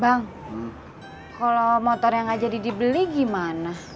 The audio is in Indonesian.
bang kalo motornya gak jadi dibeli gimana